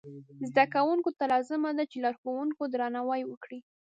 زده کوونکو ته لازمه ده چې د لارښوونکو درناوی وکړي.